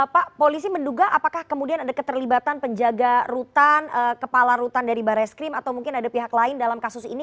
pak polisi menduga apakah kemudian ada keterlibatan penjaga rutan kepala rutan dari barreskrim atau mungkin ada pihak lain dalam kasus ini